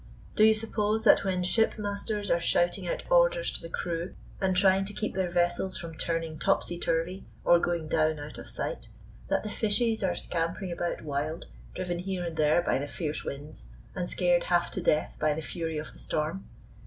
Do you suppose that when shipmasters are shouting out orders to the crew, and trying to keep their vessels from turning topsy turvy or going down out of sight, that the fishes are scampering about wild, driven here and there by the fierce winds, and scared half to death by the fury of the storm?